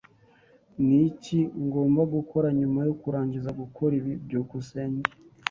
Niki ngomba gukora nyuma yo kurangiza gukora ibi? byukusenge